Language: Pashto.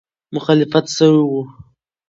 مخالفت سوی وو.